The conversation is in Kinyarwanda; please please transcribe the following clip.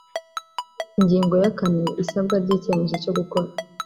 ingingo ya kane isabwa ry icyemezo cyo gukora